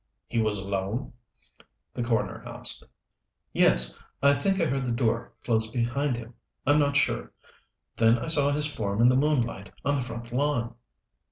"He was alone?" the coroner asked. "Yes. I think I heard the door close behind him I'm not sure. Then I saw his form in the moonlight on the front lawn."